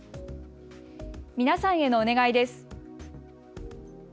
皆さんへのお願いです。